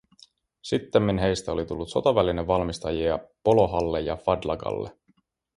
Sittemmin heistä oli tullut sotavälinevalmistajia Polohalle ja Fadlagalle.